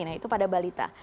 nah itu pada balita